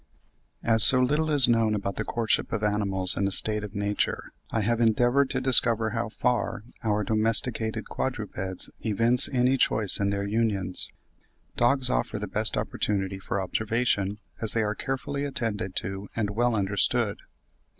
As so little is known about the courtship of animals in a state of nature, I have endeavoured to discover how far our domesticated quadrupeds evince any choice in their unions. Dogs offer the best opportunity for observation, as they are carefully attended to and well understood.